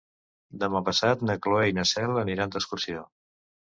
Demà passat na Cloè i na Cel aniran d'excursió.